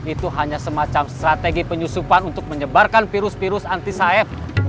itu hanya semacam strategi penyusupan untuk menyebarkan virus virus anti safe